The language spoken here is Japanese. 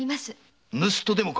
盗っ人でもか！